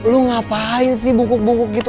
lu ngapain sih bukuk bukuk gitu